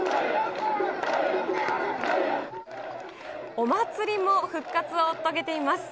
お祭りも復活を遂げています。